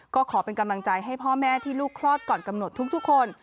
ก็ขอเป็นกำลังใจให้พ่อแม่ที่ลูกคลอดก่อนกำหนดทุกคน